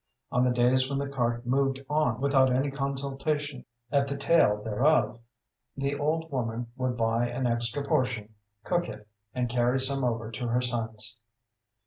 On the days when the cart moved on without any consultation at the tail thereof, the old woman would buy an extra portion, cook it, and carry some over to her son's.